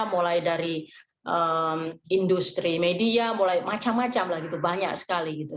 mulai dari industri media mulai macam macam lah gitu banyak sekali gitu